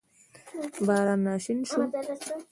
باران راشین شو